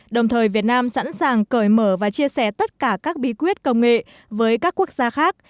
đồng thời việt nam sẵn sàng cởi mở và chia sẻ tất cả các bí quyết công nghệ với các quốc gia khác